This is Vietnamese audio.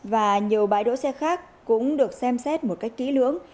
và nhiều bãi đỗ xe khác cũng được xem xét một cách kỹ lưỡng